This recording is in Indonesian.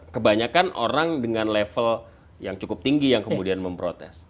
kebanyakan orang dengan level yang cukup tinggi yang kemudian memprotes